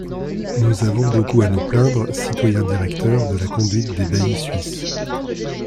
Nous avons beaucoup à nous plaindre, citoyens directeurs, de la conduite des baillis suisses.